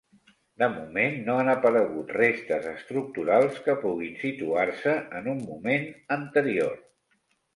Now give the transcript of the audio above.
De moment no han aparegut restes estructurals que puguin situar-se en un moment anterior.